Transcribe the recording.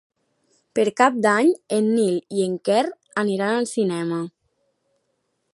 Per Cap d'Any en Nil i en Quer aniran al cinema.